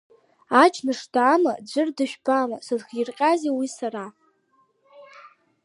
Аџьныш даама, ӡәыр дыжәбама, сзыхирҟьазеи уи сара?!